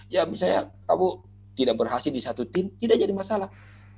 ya misalnya kamu tidak berhasil di satu tim tidak jadi masalah